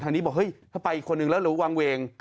นี้บอกเฮ้ยถ้าไปอีกคนนึงแล้วหรือวางเวง